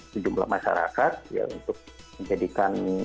sejumlah masyarakat ya untuk menjadikan